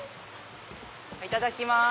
いただきます。